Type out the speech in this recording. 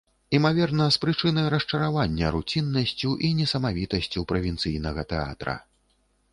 Імаверна, з прычыны расчаравання руціннасцю і несамавітасцю правінцыйнага тэатра.